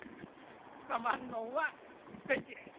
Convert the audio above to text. つかまんのんは大嫌い。